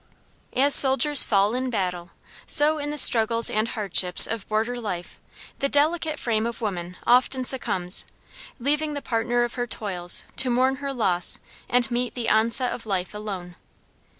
As soldiers fall in battle, so in the struggles and hardships of border life, the delicate frame of woman often succumbs, leaving the partner of her toils to mourn her loss and meet the onset of life alone.